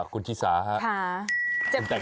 คุณชิสาครับ